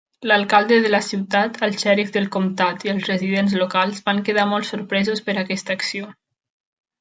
L'alcalde de la ciutat, el xèrif del comtat i els residents locals van quedar molt sorpresos per aquesta acció.